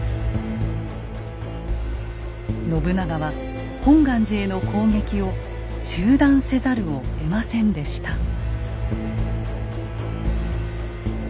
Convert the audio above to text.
信長は本願寺への攻撃を中断せざるをえませんでした。